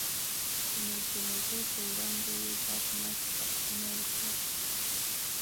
د جنازو په وړاندې یې بدمست رقصونه وکړل.